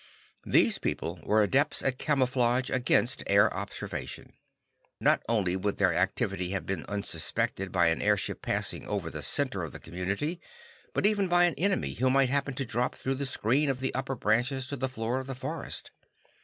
These people were adepts at camouflage against air observation. Not only would their activity have been unsuspected by an airship passing over the center of the community, but even by an enemy who might happen to drop through the screen of the upper branches to the floor of the forest.